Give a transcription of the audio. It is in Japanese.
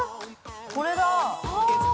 ◆これだ。